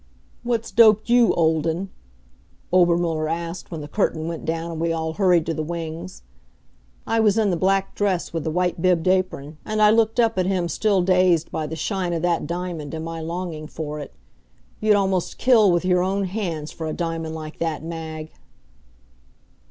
"What's doped you, Olden?" Obermuller asked when the curtain went down, and we all hurried to the wings. I was in the black dress with the white bibbed apron, and I looked up at him still dazed by the shine of that diamond and my longing for it. You'd almost kill with your own hands for a diamond like that, Mag!